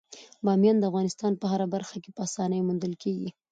بامیان د افغانستان په هره برخه کې په اسانۍ موندل کېږي.